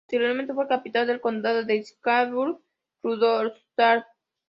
Posteriormente, fue capital del condado de Schwarzburg-Rudolstadt.